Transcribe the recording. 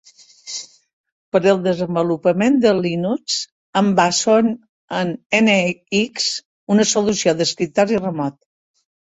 Per al desenvolupament de Linux, em baso en NX, una solució d'escriptori remot.